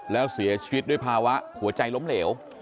แล้วเสียชีวิตด้วยภาวะหัวใจล้มเหลว